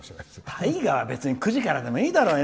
大河は別に９時からでもいいだろう。